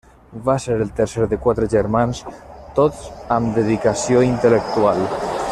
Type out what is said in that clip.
Va ser el tercer de quatre germans, tots amb dedicació intel·lectual.